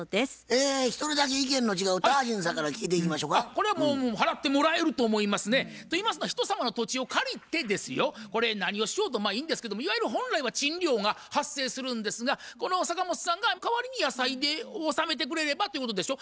これはもう払ってもらえると思いますね。と言いますのは人様の土地を借りてですよこれ何をしようとまあいいんですけどいわゆる本来は賃料が発生するんですがこの坂本さんが代わりに野菜で納めてくれればということでしょ。